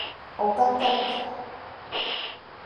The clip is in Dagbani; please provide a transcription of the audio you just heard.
O ka kar'biɛɣu.